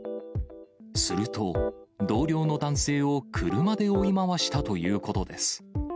すると、同僚の男性を車で追い回したということです。